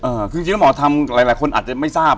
คือจริงแล้วหมอทำหลายหลายคนอาจจะไม่ทราบ